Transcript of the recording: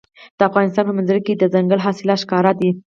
د افغانستان په منظره کې دځنګل حاصلات ښکاره ده.